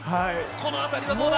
この当たりはどうだ？